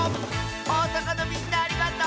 おおさかのみんなありがとう！